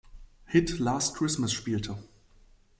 Hit Last Christmas spielte.